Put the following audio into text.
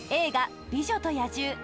映画「美女と野獣」